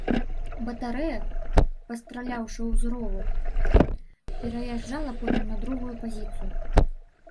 Батарэя, пастраляўшы з рову, пераязджала потым на другую пазіцыю.